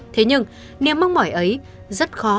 thế nhưng niềm mong mỏi ấy rất khó